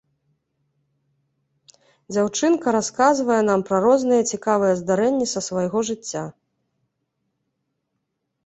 Дзяўчынка расказвае нам пра розныя цікавыя здарэнні са свайго жыцця.